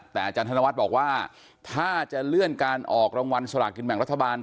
แต่อาจารย์ธนวัฒน์บอกว่าถ้าจะเลื่อนการออกรางวัลสลากินแบ่งรัฐบาล